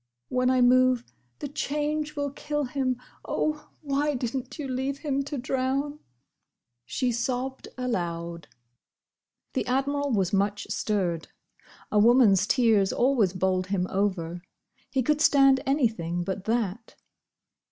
When I move, the change will kill him. Oh, why did n't you leave him to drown?" she sobbed aloud. The Admiral was much stirred. A woman's tears always bowled him over. He could stand anything but that.